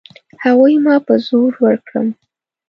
هغوی ما په زور ورکړم.